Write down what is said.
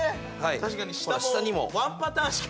確かに下も。